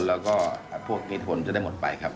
แล้วก็พวกนี้ผลจะได้หมดไปครับ